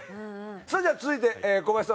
それでは続いてコバヤシさん